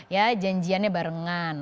ya janjiannya barengan